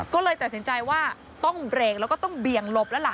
ก็เลยตัดสินใจว่าต้องเบรกแล้วก็ต้องเบี่ยงหลบแล้วล่ะ